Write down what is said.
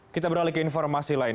kita beralih ke informasi lain